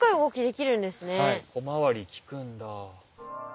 小回りきくんだ。